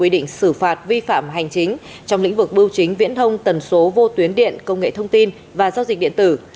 định xử phạt vi phạm hành chính trong lĩnh vực bưu chính viễn thông tần số vô tuyến điện công nghệ thông tin và giao dịch điện tử